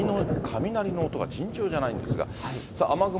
雷の音が尋常じゃないんですが。